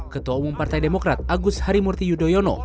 ketua umum partai demokrat agus harimurti yudhoyono